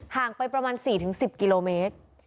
ห่างไปประมาณ๔๑๐กิโลเมตร